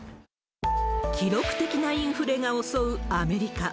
記録的なインフレが襲うアメリカ。